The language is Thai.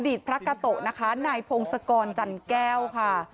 พระกาโตะนะคะนายพงศกรจันแก้วค่ะ